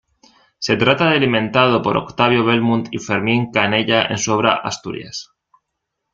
Se trata del inventado por Octavio Bellmunt y Fermín Canella en su obra "Asturias".